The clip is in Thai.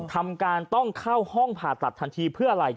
ทำการต้องเข้าห้องผ่าตัดทันทีเพื่ออะไร